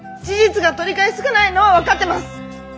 事実が取り返しつかないのは分かってます。